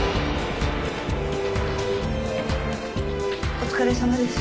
お疲れさまです。